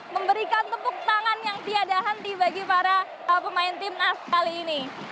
memberikan tepuk tangan yang tiada henti bagi para pemain timnas kali ini